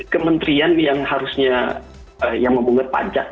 kementerian yang harusnya yang memungut pajak